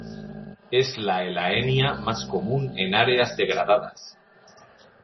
Es la "Elaenia" más común en áreas degradadas.